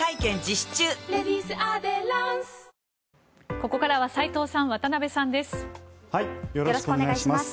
ここからは斎藤さん、渡辺さんです。